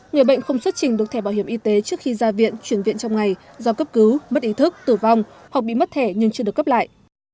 người bệnh không xuất trình được thẻ bảo hiểm y tế trước khi ra viện chuyển viện trong ngày do cấp cứu mất ý thức tử vong hoặc bị mất thẻ nhưng chưa được cấp lại